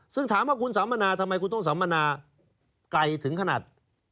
ซึ่งถามว่าคุณสำนานะทำไมคุณต้องสำนานะไกลถึงขนาด